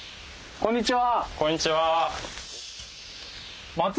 こんにちは。